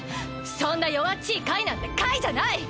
そんなよわっちいカイなんてカイじゃない！